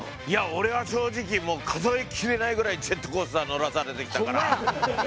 いや俺は正直もう数え切れないぐらいジェットコースター乗らされてきたから。